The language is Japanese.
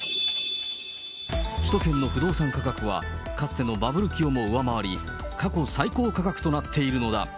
首都圏の不動産価格は、かつてのバブル期をも上回り、過去最高価格となっているのだ。